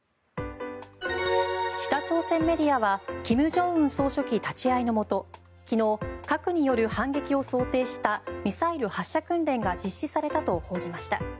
北朝鮮メディアは金正恩総書記立ち会いのもと昨日、核による反撃を想定したミサイル発射訓練が実施されたと報じました。